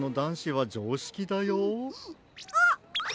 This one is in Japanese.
あっ！